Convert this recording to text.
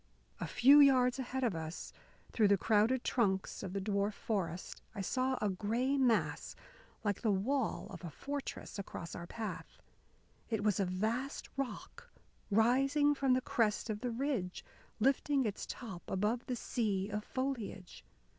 A few yards ahead of us, through the crowded trunks of the dwarf forest, I saw a gray mass, like the wall of a fortress, across our path. It was a vast rock, rising from the crest of the ridge, lifting its top above the sea of foliage.